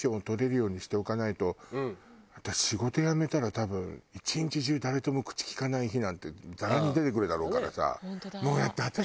私仕事辞めたら多分１日中誰とも口利かない日なんてざらに出てくるだろうからさ。